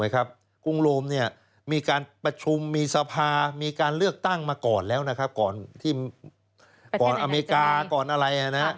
กรุงโรมมีการประชุมมีสภามีการเลือกตั้งมาก่อนแล้วก่อนอเมริกาก่อนอะไร